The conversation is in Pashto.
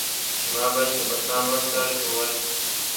چې ما به سبقان ورته ښوول.